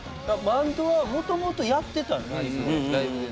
バンドはもともとやってたのライブで。